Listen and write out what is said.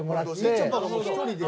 みちょぱ１人で。